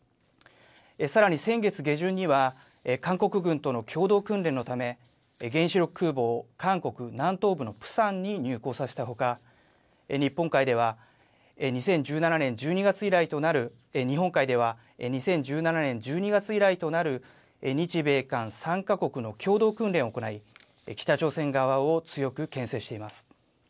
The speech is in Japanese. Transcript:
さらに先月下旬には、韓国軍との共同訓練のため、原子力空母を韓国南東部のプサンに入港させたほか、日本海では２０１７年１２月以来となる、日本海では２０１７年１２月以来となる、日米韓３か国の共同訓練を行い、北朝鮮側を強くけん制しています。